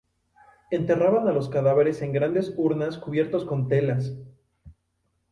Enterraban a los cadáveres en grandes urnas cubiertos con telas.